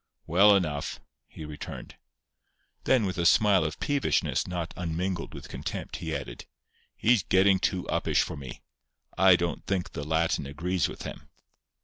"Well enough," he returned. Then, with a smile of peevishness not unmingled with contempt, he added: "He's getting too uppish for me. I don't think the Latin agrees with him."